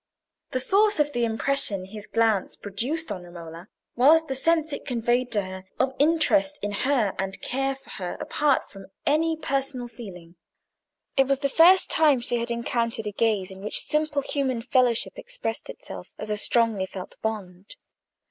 The source of the impression his glance produced on Romola was the sense it conveyed to her of interest in her and care for her apart from any personal feeling. It was the first time she had encountered a gaze in which simple human fellowship expressed itself as a strongly felt bond.